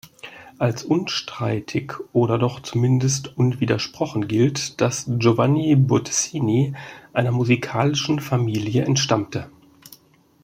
Als unstreitig oder doch zumindest unwidersprochen gilt, dass Giovanni Bottesini einer musikalischen Familie entstammte.